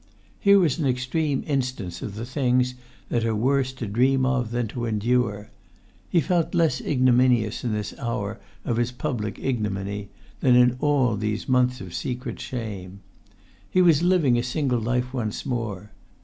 Here was an extreme instance of the things that are worse to dream of than to endure. He felt less ignominious in the hour of his public ignominy than in all these months of secret shame. He was living a single life once more.